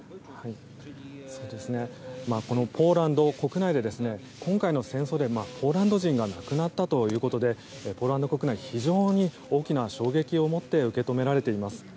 ポーランド国内で今回の戦争でポーランド人が亡くなったということでポーランド国内非常に大きな衝撃を持って受け止められています。